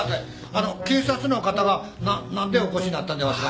あの警察の方が何でお越しになったんですか？